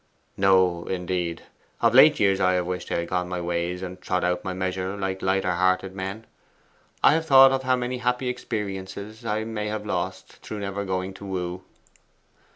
'No, indeed. Of late years I have wished I had gone my ways and trod out my measure like lighter hearted men. I have thought of how many happy experiences I may have lost through never going to woo.